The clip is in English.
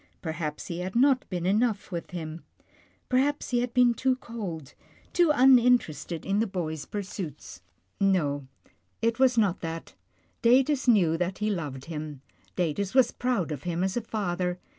Perhaps he had not been enough with him. Per haps he had been too cold, too uninterested in the boy's pursuits. HIS ONLY SON 71 No it was not that. Datus knew that he loved him. Datus was proud of him as a father.